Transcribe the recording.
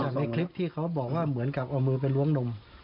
ในคลิปที่เขาบอกว่าเหมือนกับเอามือไปล้วงนม